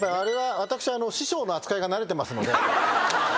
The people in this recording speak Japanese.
私師匠の扱いが慣れてますので。